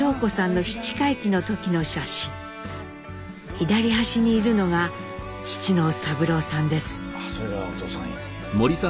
左端にいるのが父の三郎さんです。